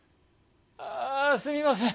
ああすみません